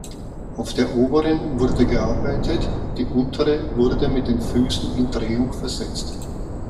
Auf der oberen wurde gearbeitet, die untere wurde mit den Füßen in Drehung versetzt.